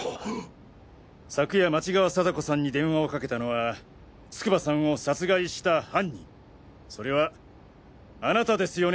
昨夜町側貞子さんに電話をかけたのは筑波さんを殺害した犯人それはあなたですよね